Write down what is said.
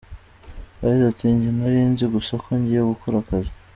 Yagize ati:" Njye nari nzi gusa ko ngiye gukora akazi.